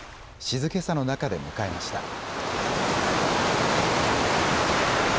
静けさの中で迎えました。